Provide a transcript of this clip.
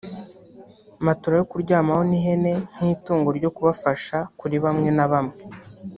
matora yo kuryamaho n’ihene nk’itungo ryo kubafasha kuri bamwe na bamwe